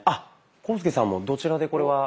浩介さんもどちらでこれは？